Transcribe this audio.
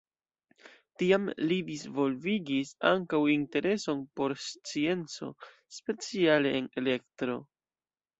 Tiam li disvolvigis ankaŭ intereson por scienco, speciale en elektro.